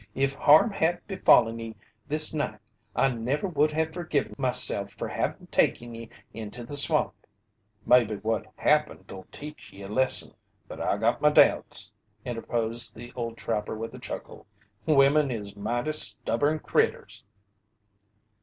"If harm had befallen ye this night, I never would have fergiven myself fer having taken ye into the swamp." "Maybe what happened'll teach ye a lesson, but I got m' doubts," interposed the old trapper with a chuckle. "Wimmin is mighty stubborn critters!"